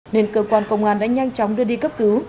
nên cơ quan công an đã nhanh chóng đưa đi cấp cứu